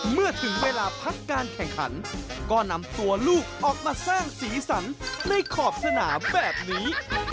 เมื่อถึงเวลาพักการแข่งขันก็นำตัวลูกออกมาสร้างสีสันในขอบสนามแบบนี้